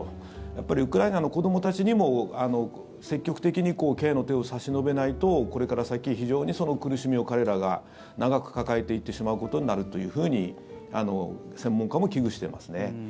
やっぱりウクライナの子どもたちにも積極的にケアの手を差し伸べないとこれから先、非常にその苦しみを彼らが長く抱えていってしまうことになると専門家も危惧してますね。